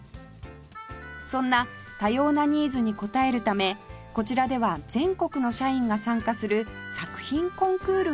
そんな多様なニーズに応えるためこちらでは全国の社員が参加する作品コンクールを開催